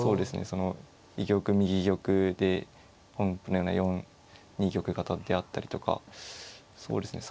その居玉右玉で本譜のような４二玉型ってあったりとかそうですね